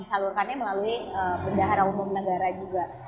disalurkannya melalui bendahara umum negara juga